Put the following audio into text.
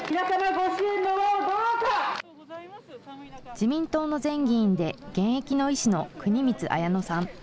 自民党の前議員で、現役の医師の国光文乃さん。